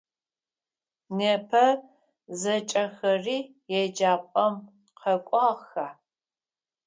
Непэ зэкӏэхэри еджапӏэм къэкӏуагъэха?